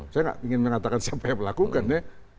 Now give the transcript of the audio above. saya nggak ingin mengatakan siapa yang melakukan ya